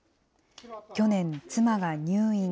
去年、妻が入院。